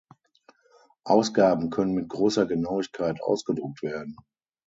Ausgaben können mit großer Genauigkeit ausgedruckt werden.